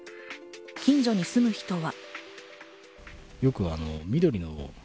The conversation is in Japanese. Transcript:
近所に住む人は。